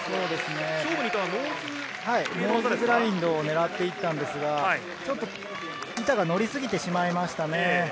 ノーズグラインドを狙っていったんですが、板が乗りすぎてしまいましたね。